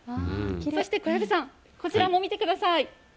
そして小藪さん、こちらも見てください。